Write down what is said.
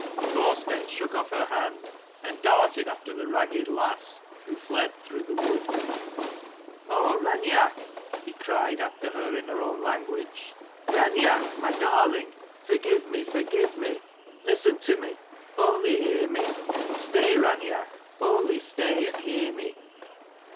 Thorstein shook off her hand, and darted after the ragged lass, who fled through the wood. "Oh, Raineach!" he cried after her in her own language, " Raineach my darling ! forgive me, forgive me ! Listen to me : only hear me ! Stay, Raineach, only stay, and hear me